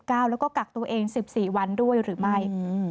แล้วก็กักตัวเอง๑๔วันด้วยหรือไม่